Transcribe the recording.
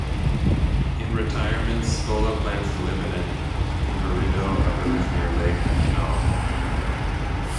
In retirement, Scola plans to live in Imberido, a village near Lake Annone.